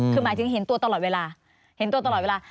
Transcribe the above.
คือหมายถึงเห็นตัวตลอดเวลา